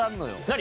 何？